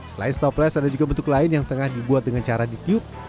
selain stopless ada juga bentuk lain yang tengah dibuat dengan cara ditiup